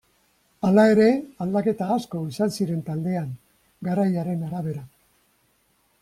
Hala ere, aldaketa asko izan ziren taldean, garaiaren arabera.